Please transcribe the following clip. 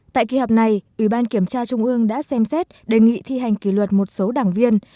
tại kỳ họp này ủy ban kiểm tra trung ương đã xem xét đề nghị thi hành kỷ luật một số đảng viên